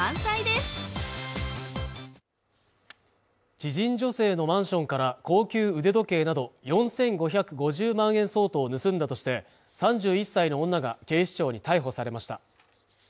知人女性のマンションから高級腕時計など４５５０万円相当を盗んだとして３１歳の女が警視庁に逮捕されました